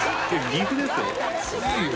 岐阜ですよ？